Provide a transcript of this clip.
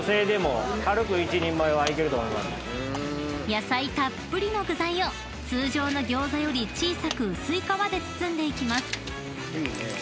［野菜たっぷりの具材を通常の餃子より小さく薄い皮で包んでいきます］